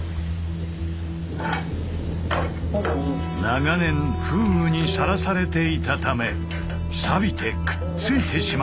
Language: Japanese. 長年風雨にさらされていたためさびてくっついてしまったのだ。